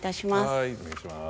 はいお願いします。